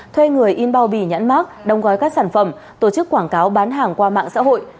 thuê người in bao bì nhãn mát đong gói các sản phẩm tổ chức quảng cáo bán hàng qua mạng xã hội